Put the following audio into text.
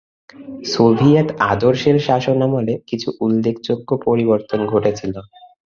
Soviet আদর্শের শাসনামলে কিছু উল্লেখযোগ্য পরিবর্তন ঘটেছিল।